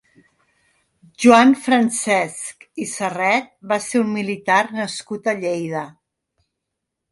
Joan Francesch i Serret va ser un militar nascut a Lleida.